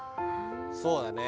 そうだね。